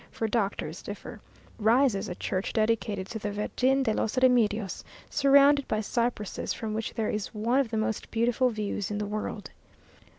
for doctors differ), rises a church dedicated to the Virgen de los Remedios, surrounded by cypresses, from which there is one of the most beautiful views in the world.